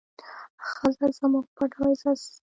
ښځه زموږ پت او عزت دی.